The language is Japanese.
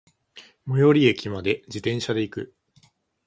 最寄駅まで、自転車で行く。